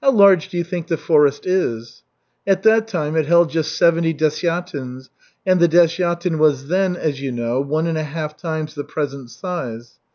"How large do you think the forest is?" "At that time it held just seventy desyatins, and the desyatin was then, as you know, one and a half times the present size."